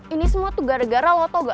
ini semua tuh gara gara loh toga